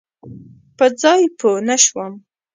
په ځان پوی نه شوم.